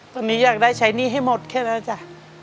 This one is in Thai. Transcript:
ตอนนี้อยากได้ใช้หนี้ให้หมดแค่นั้นจ้ะ